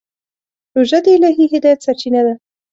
روژه د الهي هدایت سرچینه ده.